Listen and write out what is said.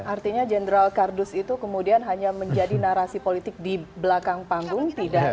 artinya jenderal kardus itu kemudian hanya menjadi narasi politik di belakang panggung